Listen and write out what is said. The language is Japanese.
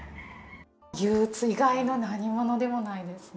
憂うつ以外の何物でもないですよね。